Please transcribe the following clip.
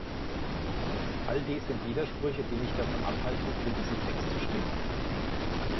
All dies sind Widersprüche, die mich davon abhalten, für diesen Text zu stimmen.